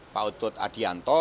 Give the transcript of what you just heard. pak utut adianto